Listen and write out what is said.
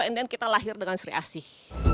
and then kita lahir dengan sri asih